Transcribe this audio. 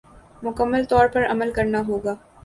مکمل طور پر عمل کرنا ہوگا